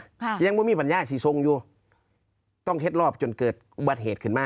ยังไม่มีปัญญาสิทรงอยู่ต้องเคล็ดรอบจนเกิดอุบัติเหตุขึ้นมา